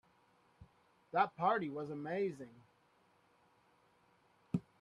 That party was amazing.